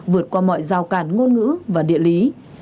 vượt qua mọi giao cản ngôn ngữ và địa lý